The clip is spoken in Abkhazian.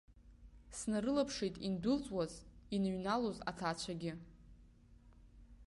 Снарылаԥшит индәылҵуаз, иныҩналоз аҭаацәагьы.